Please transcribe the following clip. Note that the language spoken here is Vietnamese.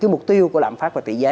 cái mục tiêu của lạm phát và tỷ giá